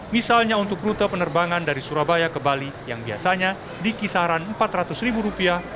misalnya untuk rute penerbangan dari surabaya ke bali yang biasanya di kisaran empat ratus ribu rupiah